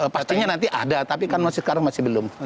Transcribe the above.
pastinya nanti ada tapi kan sekarang masih belum